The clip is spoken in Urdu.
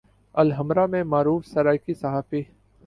الحمرا میں معروف سرائیکی صحافی